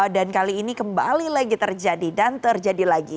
dan kali ini kembali lagi terjadi dan terjadi lagi